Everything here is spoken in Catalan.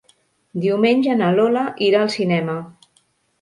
Diumenge na Lola irà al cinema.